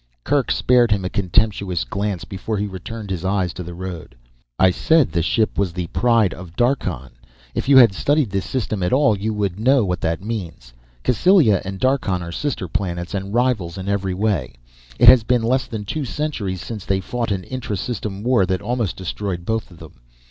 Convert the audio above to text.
Kerk spared him a contemptuous glance before he returned his eyes to the road. "I said the ship was the Pride of Darkhan. If you had studied this system at all, you would know what that means. Cassylia and Darkhan are sister planets and rivals in every way. It has been less than two centuries since they fought an intra system war that almost destroyed both of them.